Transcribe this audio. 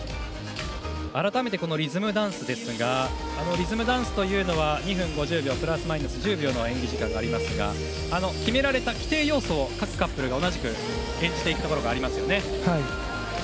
改めて、リズムダンスですがリズムダンスというのは２分５０秒プラスマイナス１０秒の演技時間がありますが決められた規定要素を各カップルが同じく演じていくところがありますよね。